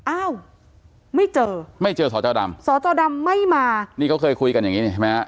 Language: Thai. อ้าวไม่เจอไม่เจอสอจอดำสจดำไม่มานี่เขาเคยคุยกันอย่างนี้นี่เห็นไหมฮะ